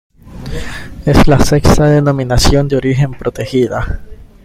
Es la sexta denominación de origen protegida.